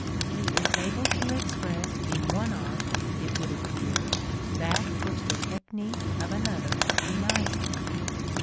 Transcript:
He is able to express in one art, it would appear, that which the technique of another denies him.